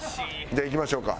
じゃあ行きましょうか。